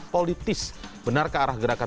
politis benar kearah gerakan